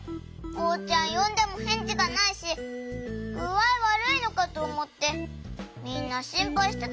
おうちゃんよんでもへんじがないしぐあいわるいのかとおもってみんなしんぱいしてたのに。